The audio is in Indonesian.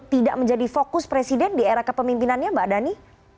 tidak menjadi fokus presiden di era kepemimpinannya mbak dhani